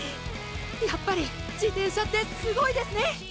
やっぱり自転車ってすごいですね。